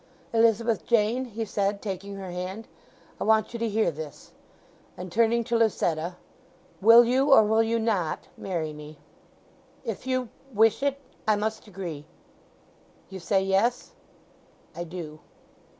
"Elizabeth Jane," he said, taking her hand, "I want you to hear this." And turning to Lucetta: "Will you, or will you not, marry me? "If you—wish it, I must agree!" "You say yes?" "I do."